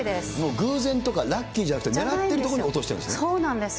偶然とかラッキーじゃなくて、狙っている所に落としてるんですね。